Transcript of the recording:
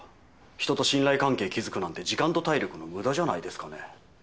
人と信頼関係築くなんて時間と体力の無駄じゃないですかね。